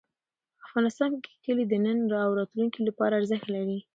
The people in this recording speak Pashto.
افغانستان کې کلي د نن او راتلونکي لپاره ارزښت لري.